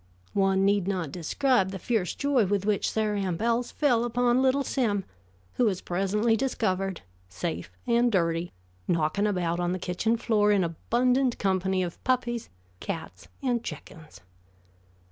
One need not describe the fierce joy with which Sarah Ann Bowles fell upon little Sim, who was presently discovered, safe and dirty, knocking about on the kitchen floor in abundant company of puppies, cats and chickens.